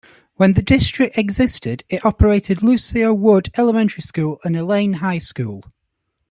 When the district existed, it operated Lucilia Wood Elementary School and Elaine High School.